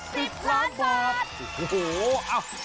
ภูมิละ๕รวมกว่า๑๐ล้านบาท